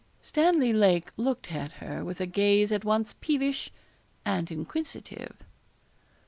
Stanley Lake looked at her with a gaze at once peevish and inquisitive.